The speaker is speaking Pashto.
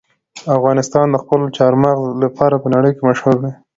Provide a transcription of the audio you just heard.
افغانستان د خپلو چار مغز لپاره په نړۍ کې مشهور دی.